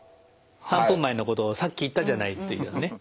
３分前のことをさっき言ったじゃないというね。